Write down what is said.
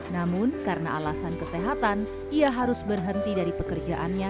namun karena alasan kesehatan ia harus berhenti dari pekerjaannya